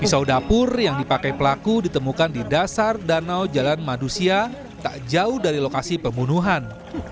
pisau dapur yang dipakai pelaku ditemukan di dasar danau jalan madusia tak jauh dari lokasi pembunuhan